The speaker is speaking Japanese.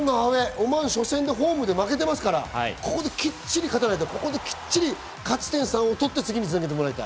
オマーンには初戦ホームで負けてますから、ここできっちり勝たないとここでしっかり勝ち点３を積んでもらいたい。